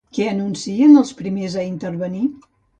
Què anuncien els primers a intervenir?